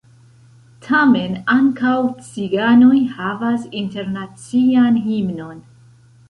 Tamen ankaŭ ciganoj havas internacian himnon.